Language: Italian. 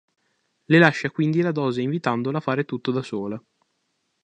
Le lascia quindi la dose invitandola a fare tutto da sola.